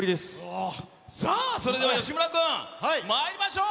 さあ、それでは吉村君、まいりましょう。